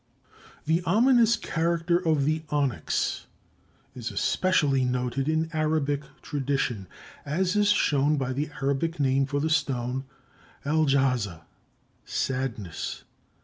The ominous character of the onyx is especially noted in Arabic tradition, as is shown by the Arabic name for the stone, el jaza, "sadness."